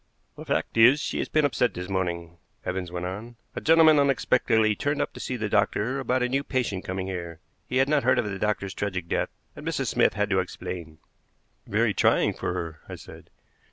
"The fact is, she has been upset this morning," Evans went on. "A gentleman unexpectedly turned up to see the doctor about a new patient coming here. He had not heard of the doctor's tragic death, and Mrs. Smith had to explain." "Very trying for her," I said.